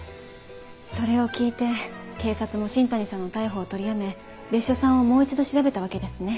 それを聞いて警察も新谷さんの逮捕を取りやめ別所さんをもう一度調べたわけですね。